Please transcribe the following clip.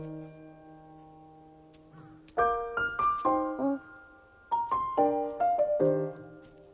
あっ。